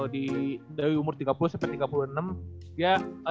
dari umur tiga puluh sampai tiga puluh enam dia